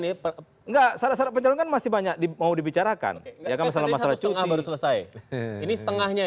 ini enggak salah pencetan masih banyak dibawa dibicarakan ya kan selama selesai ini setengahnya